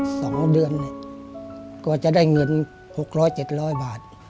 สองเดือนก็จะได้เงิน๖๐๐๗๐๐บาท